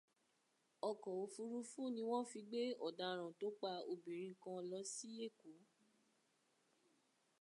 Ọkọ̀ òfurufú ni wọ́n fi gbé ọ̀daràn tó pa obìnrin kan lọ sí Èkó.